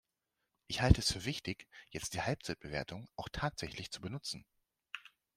Ich halte es für wichtig, jetzt die Halbzeitbewertung auch tatsächlich zu benutzen.